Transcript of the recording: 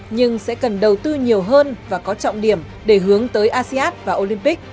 nhưng sẽ cần đầu tư nhiều hơn và có trọng điểm để hướng tới asean và olympic